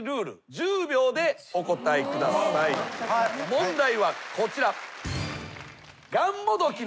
問題はこちら。